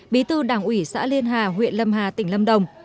bí thư đảng ủy xã liên hà huyện lâm hà tỉnh lâm đồng